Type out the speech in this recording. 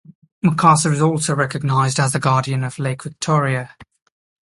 Mukasa is also recognized as the guardian of Lake Victoria.